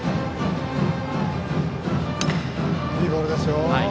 いいボールですよ。